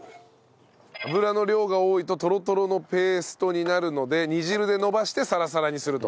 脂の量が多いととろとろのペーストになるので煮汁でのばしてさらさらにすると。